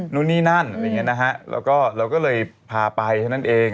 นู่นนี่นั่นแล้วก็เลยพาไปฉะนั้นเอง